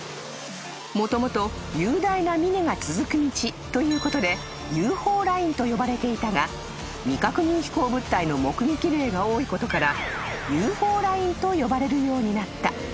［もともと雄大な峰が続く道ということで雄峰ラインと呼ばれていたが未確認飛行物体の目撃例が多いことからＵＦＯラインと呼ばれるようになった］